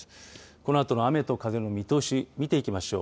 このあとの雨と風の見通し、見ていきましょう。